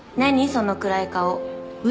その暗い顔。